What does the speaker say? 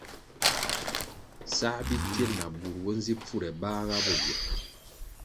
Sál bikil na bur bo nzi pfure bahga bo ywe.